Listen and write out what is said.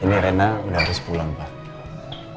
ini rena udah habis pulang pak